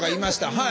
はい。